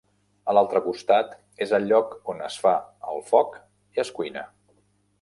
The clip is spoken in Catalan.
A l'altre costat és el lloc on es fa el foc i es cuina.